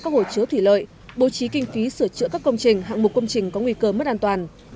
các hồ chứa thủy lợi bố trí kinh phí sửa chữa các công trình hạng mục công trình có nguy cơ mất an toàn